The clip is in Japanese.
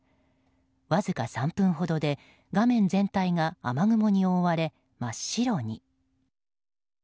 わずか３分ほどで画面全体が雨雲に覆われ真っ白に。